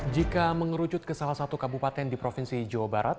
jika mengerucut ke salah satu kabupaten di provinsi jawa barat